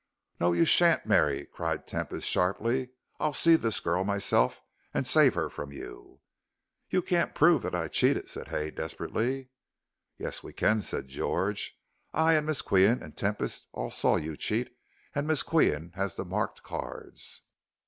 "No, you sha'n't marry," cried Tempest, sharply; "I'll see this girl myself and save her from you." "You can't prove that I cheated," said Hay, desperately. "Yes, we can," said George. "I, and Miss Qian, and Tempest all saw you cheat, and Miss Qian has the marked cards."